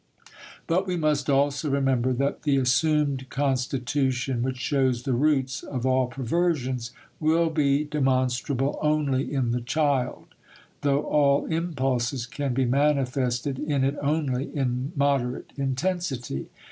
But we must also remember that the assumed constitution which shows the roots of all perversions will be demonstrable only in the child, though all impulses can be manifested in it only in moderate intensity.